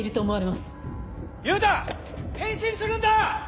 変身するんだ！